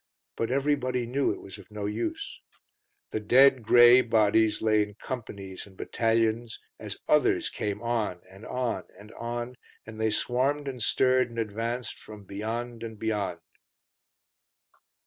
But everybody knew it was of no use. The dead grey bodies lay in companies and battalions, as others came on and on and on, and they swarmed and stirred and advanced from beyond and beyond.